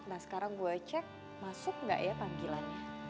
nah sekarang gue cek masuk nggak ya panggilannya